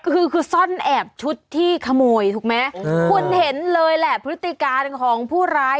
คือคือซ่อนแอบชุดที่ขโมยถูกไหมคุณเห็นเลยแหละพฤติการของผู้ร้าย